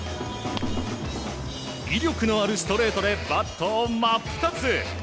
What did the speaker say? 威力のあるストレートでバットを真っ二つ。